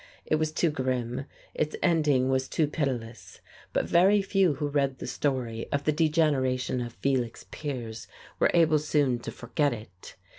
It was too grim, its ending was too pitiless. But very few who read the story of the degeneration of Felix Piers were able soon to forget it.